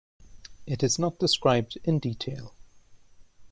It is not described in detail.